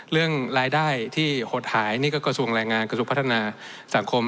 เรื่องรายได้ที่หดหายนี่ก็กระทรวงแรงงานกระทรวงพัฒนาสังคม